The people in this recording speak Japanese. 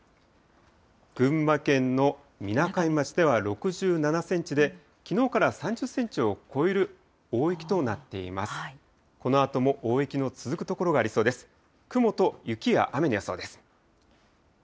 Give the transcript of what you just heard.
群馬県のみなかみ町では６７センチで、きのうから３０センチを超える大雪となっています。